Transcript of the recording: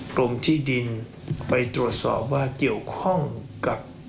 กรมที่ดินไปตรวจสอบว่าเกี่ยวข้องกับ